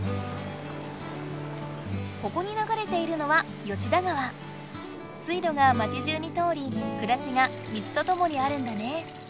ここにながれているのは水ろが町じゅうに通りくらしが水とともにあるんだね。